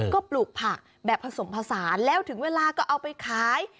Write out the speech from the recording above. ก็ปลูกผักแบบผสมผสานแล้วถึงเวลาก็เอาไปขาย